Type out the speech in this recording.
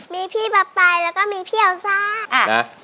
มีพี่ป๊อปไปแล้วก็มีพี่เอาซ่า